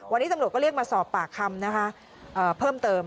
วันนี้ตำรวจก็เรียกมาสอบปากคำนะคะเพิ่มเติม